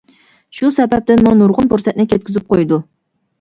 شۇ سەۋەبتىنمۇ نۇرغۇن پۇرسەتنى كەتكۈزۈپ قويىدۇ.